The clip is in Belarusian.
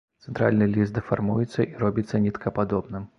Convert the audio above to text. Цэнтральны ліст дэфармуецца і робіцца ніткападобным.